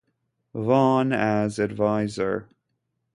Vaughan as adviser.